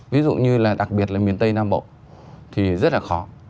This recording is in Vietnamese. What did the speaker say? ví dụ như là đặc biệt là miền tây nam bộ thì rất là khó